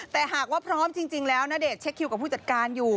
แต่หากว่าพร้อมจริงแล้วณเดชนเช็คคิวกับผู้จัดการอยู่